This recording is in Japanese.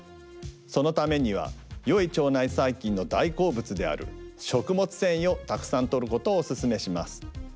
そのためにはよい腸内細菌の大好物である食物繊維をたくさんとることをおすすめします。